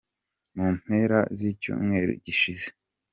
mu mpera z’icyumweru gishize.